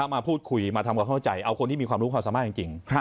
มาพูดคุยมาทำความเข้าใจเอาคนที่มีความรู้ความสามารถจริง